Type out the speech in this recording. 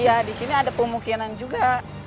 iya disini ada pemungkinan juga